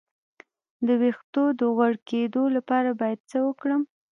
د ویښتو د غوړ کیدو لپاره باید څه وکړم؟